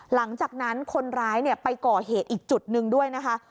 หลังจากนั้นคนร้ายไปก่อเหตุอีกจุดหนึ่งด้วยนะคะ